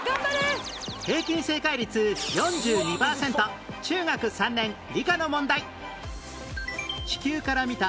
平均正解率４２パーセント中学３年理科の問題